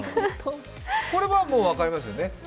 これはもう分かりますよね。